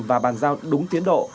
và bàn giao đúng tiến độ